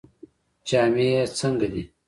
جامې یې څنګه دي؟